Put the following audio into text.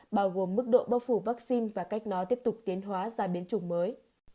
bao gồm mức độ bao phủ vaccine và cách nó tiếp tục tiến hóa ra biến chủng mới